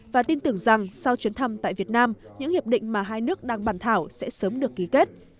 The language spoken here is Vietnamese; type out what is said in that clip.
và tin tưởng rằng sau chuyến thăm tại việt nam những hiệp định mà hai nước đang bàn thảo sẽ sớm được ký kết